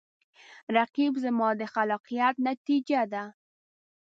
رقیب زما د خلاقیت نتیجه ده